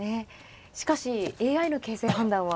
しかしＡＩの形勢判断は。